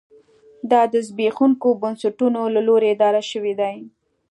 دا د زبېښونکو بنسټونو له لوري اداره شوې دي.